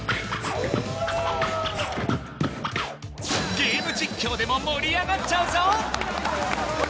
ゲーム実況でも盛り上がっちゃうぞ